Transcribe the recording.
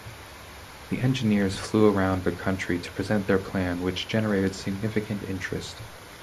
The engineers flew around the country to present their plan, which generated significant interest.